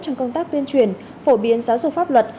trong công tác tuyên truyền phổ biến giáo dục pháp luật